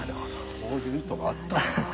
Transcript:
そういう意図があったんだ。